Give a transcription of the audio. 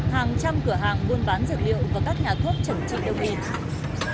hàng trăm cửa hàng buôn bán dược liệu và các nhà thuốc chẩn trị đồng hình